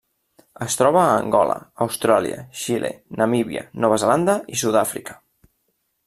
Es troba a Angola, Austràlia, Xile, Namíbia, Nova Zelanda i Sud-àfrica.